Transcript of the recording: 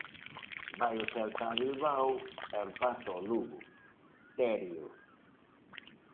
Vai o Celta a Bilbao e empata o Lugo, Terio.